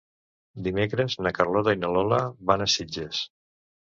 Dimecres na Carlota i na Lola van a Sitges.